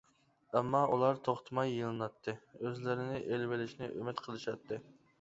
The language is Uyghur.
ئەمما ئۇلار توختىماي يېلىناتتى، ئۆزلىرىنى ئېلىۋېلىشنى ئۈمىد قىلىشاتتى.